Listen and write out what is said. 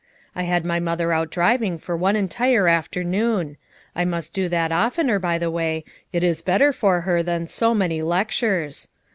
I had my mother out driving for one entire afternoon; I must do that oftener, by the way, it is better for her than so many lectures.